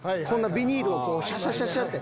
ビニールをシャシャシャシャって。